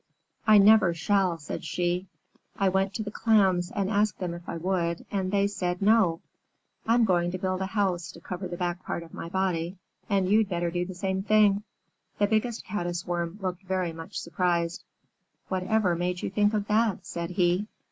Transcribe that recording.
"I never shall," said she. "I went to the Clams and asked them if I would, and they said 'No.' I'm going to build a house to cover the back part of my body, and you'd better do the same thing." The Biggest Caddis Worm looked very much surprised. "Whatever made you think of that?" said he.